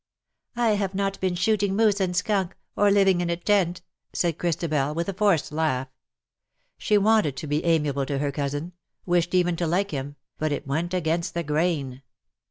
*' I have not been shooting moose and skunk, or living in a tent,^^ said Christabel, with a forced laugh. She w^anted to be amiable to her cousin — wished even to like him, but it went against the grain.